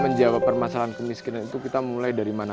menjawab permasalahan kemiskinan itu kita mulai dari mana